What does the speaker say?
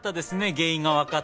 原因がわかって。